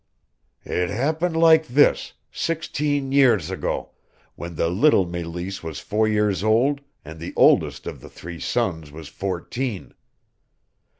"It happened like this, sixteen years ago, when the little Meleese was four years old and the oldest of the three sons was fourteen.